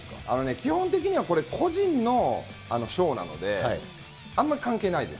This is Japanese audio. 基本的には、これ、個人の賞なので、あんま関係ないです。